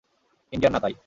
Indian না তাই।